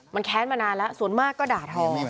มันแค้นมานานแล้วส่วนมากก็ด่าทอ